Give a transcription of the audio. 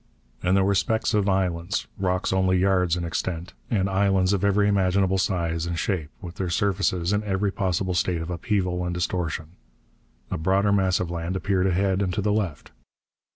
And there were specks of islands rocks only yards in extent and islands of every imaginable size and shape, with their surfaces in every possible state of upheaval and distortion. A broader mass of land appeared ahead and to the left.